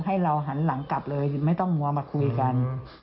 ให้เราหันหลังกลับเลยไม่ต้องมัวมาคุยกัน